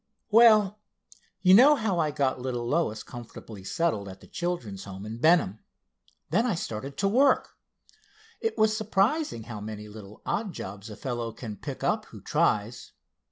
"Well, you know how I got little Lois comfortably settled at that children's home at Benham. Then I started in to work. It was surprising how many little odd jobs a fellow can pick up who tries.